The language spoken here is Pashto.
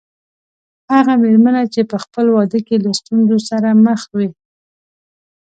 هغه مېرمنه چې په خپل واده کې له ستونزو سره مخ وي.